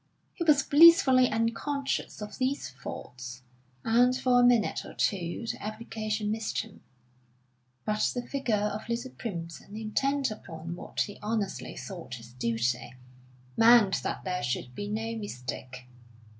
He was blissfully unconscious of these faults, and for a minute or two the application missed him; but the Vicar of Little Primpton, intent upon what he honestly thought his duty, meant that there should be no mistake.